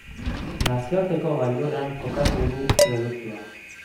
Nazioarteko gailurrean kokatu du produktua.